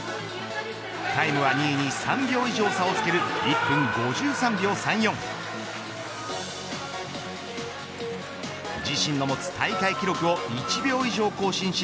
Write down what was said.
タイムは２位に３秒以上差をつける１分５３秒３４自身の持つ大会記録を１秒以上更新し